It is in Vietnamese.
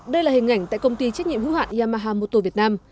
đây là hình ảnh tại công ty trách nhiệm hữu hạn yamaha motor việt nam